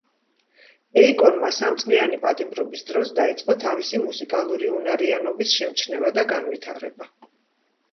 ეიკონმა სამწლიანი პატიმრობის დროს, დაიწყო თავისი მუსიკალური უნარიანობის შემჩნევა და განვითარება.